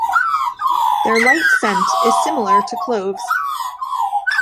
Their light scent is similar to cloves.